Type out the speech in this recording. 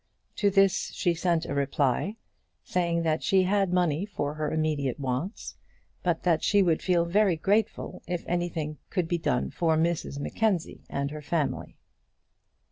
To this she sent a reply, saying that she had money for her immediate wants, but that she would feel very grateful if anything could be done for Mrs Mackenzie and her family.